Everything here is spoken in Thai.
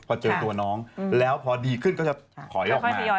พอเจอตัวน้องแล้วพอดีขึ้นก็จะถอยออกมา